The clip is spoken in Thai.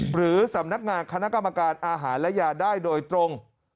หรือสำนักงานคณะกรรมการอาหารและยาได้โดยตรง